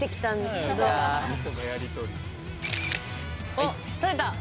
おっ撮れた。